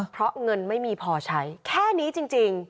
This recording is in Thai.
เพราะเงินไม่มีพอใช้แค่นี้จริง